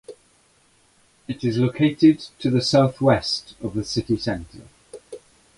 It is located to the southwest of the city centre.